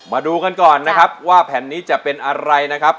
มาดูกันก่อนนะครับว่าแผ่นนี้จะเป็นอะไรนะครับ